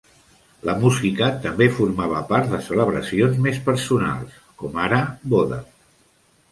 La música també formava part de celebracions més personals, com ara bodes.